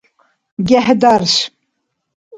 гехӀдарш